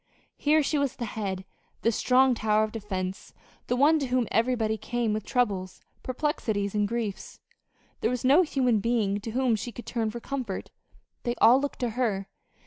Here she was the head, the strong tower of defense, the one to whom everybody came with troubles, perplexities, and griefs. There was no human being to whom she could turn for comfort. They all looked to her.